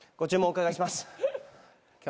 お伺いします。